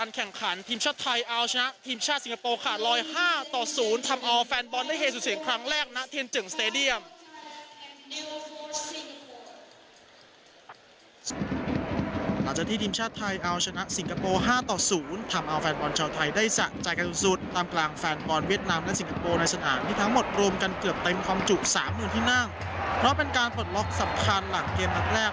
ความจุสามหนึ่งที่นั่งเพราะเป็นการปลดล็อคสำคัญหลังเกมทั้งแรก